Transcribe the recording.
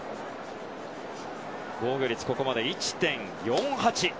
防御率、ここまで１．４８。